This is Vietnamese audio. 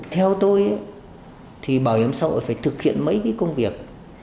theo tôi thì bảo hiểm xã hội phải thực hiện mấy cái công việc